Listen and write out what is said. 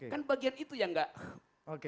kan bagian itu yang nggak